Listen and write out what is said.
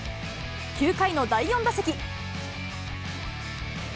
９回の第４打席。